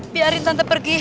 biarin tante pergi